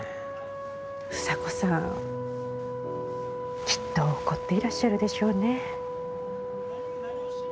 房子さんきっと怒っていらっしゃるでしょうね。